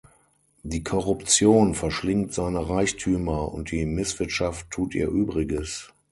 Die Korruption verschlingt seine Reichtümer, und die Misswirtschaft tut ihr Übriges.